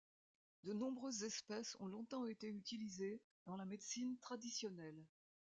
De nombreuses espèces ont longtemps été utilisées dans la médecine traditionnelle.